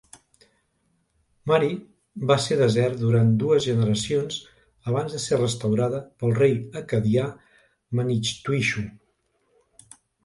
Mari va estar desert durant dues generacions abans de ser restaurada pel rei acadià Manixtuixu.